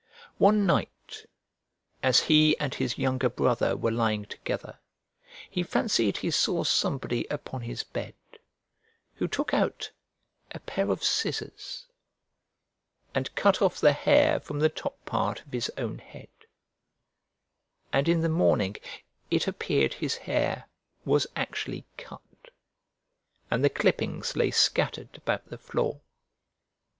One night, as he and his younger brother were lying together, he fancied he saw somebody upon his bed, who took out a pair of scissors, and cut off the hair from the top part of his own head, and in the morning, it appeared his hair was actually cut, and the clippings lay scattered about the floor.